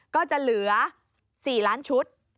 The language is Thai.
ก็จะเหลือ๔ล้านชุด